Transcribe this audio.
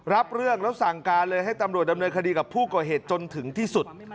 รับเรื่องแล้วสั่งการเลยให้ตำรวจดำเนินคดีกับผู้ก่อเหตุจนถึงที่สุด